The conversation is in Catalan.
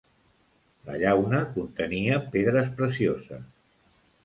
La llauna contenia pedres precioses.